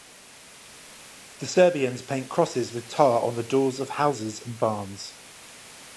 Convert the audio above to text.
The Serbians paint crosses with tar on the doors of houses and barns.